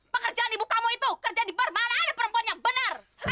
pekerjaan ibu kamu itu kerja di mana ada perempuan yang benar